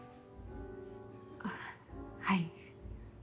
あぁはい。